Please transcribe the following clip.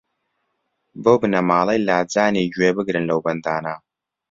بۆ بنەماڵەی لاجانی گوێ بگرن لەو بەندانە